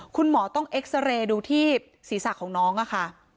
คุณหมอต้องเอ็กซาเรย์ดูที่ศีรษะของน้องค่ะ